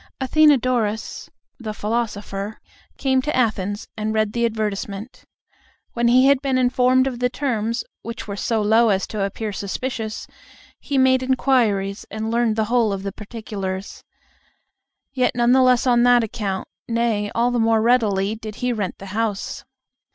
Athenodorus, the philosopher, came to Athens and read the advertisement. When he had been informed of the terms, which were so low as to appear suspicious, he made inquiries, and learned the whole of the particulars. Yet none the less on that account, nay, all the more readily, did he rent the house.